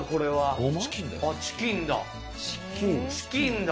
チキンだ。